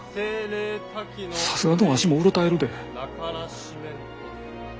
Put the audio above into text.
さすがのわしもうろたえるで。